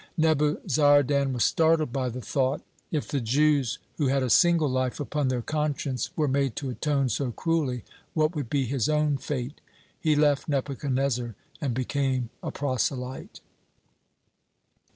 Nebuzaradan was startled by the thought, if the Jews, who had a single life upon their conscience, were made to atone so cruelly, what would be his own fate! He left Nebuchadnezzar and became a proselyte.